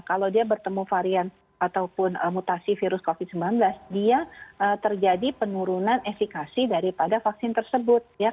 kalau dia bertemu varian ataupun mutasi virus covid sembilan belas dia terjadi penurunan efekasi daripada vaksin tersebut